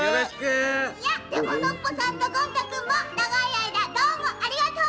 でもノッポさんとゴン太くんもながいあいだどうもありがとう！